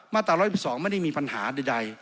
มาตรศักดิ์๑๐๒ไม่ได้มีปัญหาใด